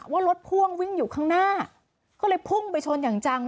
ว่ารถพ่วงวิ่งอยู่ข้างหน้าก็เลยพุ่งไปชนอย่างจัง